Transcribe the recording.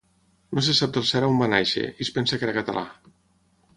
No se sap del cert on va néixer, i es pensa que era català.